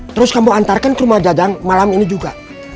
terus kamu antarkan ke rumah dadang malam ini juga